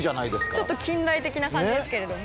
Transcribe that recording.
ちょっと近代的な感じですけれども。